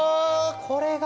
これが。